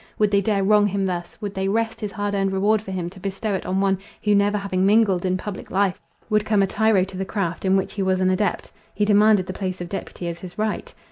—Would they dare wrong him thus? Would they wrest his hard earned reward from him, to bestow it on one, who, never having mingled in public life, would come a tyro to the craft, in which he was an adept. He demanded the place of deputy as his right.